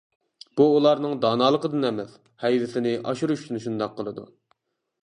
بۇ ئۇلارنىڭ دانالىقىدىن ئەمەس، ھەيۋىسىنى ئاشۇرۇش ئۈچۈن شۇنداق قىلىدۇ.